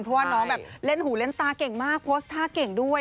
เพราะว่าน้องแบบเล่นหูเล่นตาเก่งมากโพสต์ท่าเก่งด้วย